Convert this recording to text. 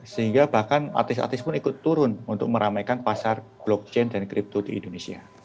sehingga bahkan artis artis pun ikut turun untuk meramaikan pasar blockchain dan kripto di indonesia